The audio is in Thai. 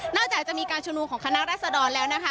จากจะมีการชุมนุมของคณะรัศดรแล้วนะคะ